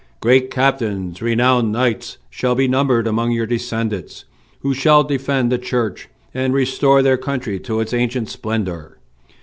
Great captains, renowned knights, shall be numbered among your descendants, who shall defend the Church and restore their country to its ancient splendor.